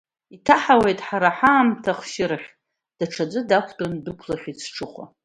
Иҭаҳауеит ҳара ҳаамҭа ахшьырахь, даҽаӡә дақәтәан ддәықәлахьеит сҽыхәа.